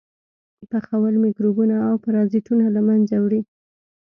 پخول میکروبونه او پرازیټونه له منځه وړي.